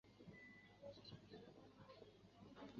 没有我的允许你敢随便跟别人走？！